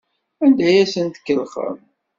Anda ay asen-tkellxem?